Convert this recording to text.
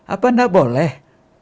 apa tidak boleh